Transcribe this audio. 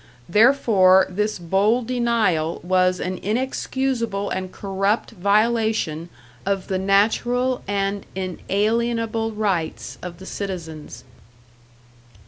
Therefore this bold denial was an inexcusable and corrupt violation of the natural and inalienable rights of the citizens.